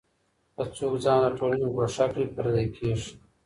که څوک ځان له ټولني ګوښه کړي پردی کېږي.